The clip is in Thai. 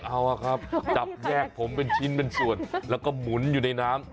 เอาอะครับจับแยกผมเป็นชิ้นเป็นส่วนแล้วก็หมุนอยู่ในน้ำ